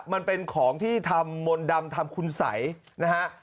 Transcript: มันเป็นของที่ทำมนต์ดำทำคุณสัยนะฮะ